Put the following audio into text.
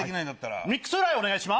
ミックスフライお願いします。